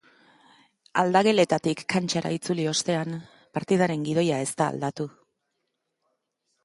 Aldageletatik kantxara itzuli ostean, partidaren gidoia ez da aldatu.